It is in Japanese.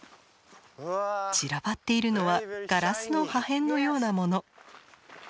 散らばっているのはガラスの破片のようなもの。